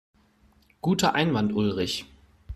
Guter Einwand, Ulrich.